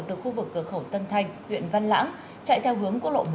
từ khu vực cửa khẩu tân thanh huyện văn lãng chạy theo hướng của lộ một a